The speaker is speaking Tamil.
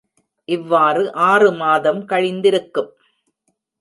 இவ்வாறு ஆறு மாதம் கழிந்திருக்கும்.